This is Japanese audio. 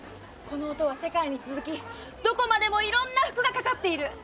この音は世界に続きどこまでもいろんな服が掛かっている。